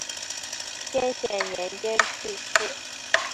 天显年间去世。